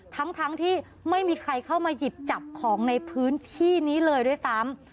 ทั้งที่ไม่มีใครเข้ามาหยิบจับของในพื้นที่นี้เลยด้วยซ้ำ